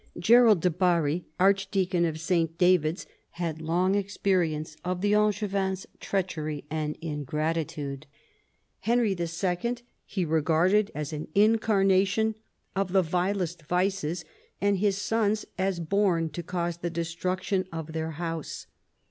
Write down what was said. Gerald de Barri, archdeacon of S. David's, had long experience of the Angevins' treachery and ingratitude. Henry II. he regarded as an incarnation of the vilest vices, and his sons as born to cause the destruction of their house.